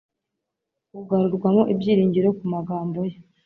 ugarurwamo ibyiringiro kubw'amagambo ye.